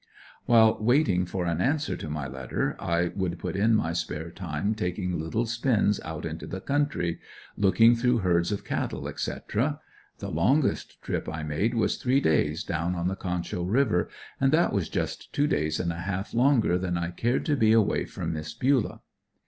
While waiting for an answer to my letter I would put in my spare time taking little spins out into the country, looking through herds of cattle, etc. The longest trip I made was three days, down on the Concho River, and that was just two days and a half longer than I cared to be away from Miss Bulah.